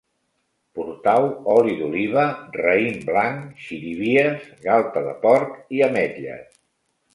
Portau oli d'oliva, raïm blanc, xirivies, galta de porc i ametlles